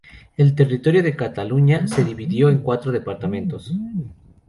El territorio de Cataluña se dividió en cuatro departamentos.